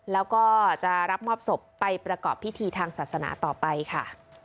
แล้วก็จะรับมอบศพไปประกอบพิธีทางศาสนาต่อไปค่ะ